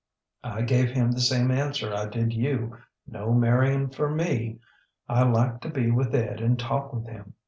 I gave him the same answer I did youŌĆöno marrying for me. I liked to be with Ed and talk with him.